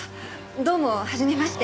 どうもはじめまして。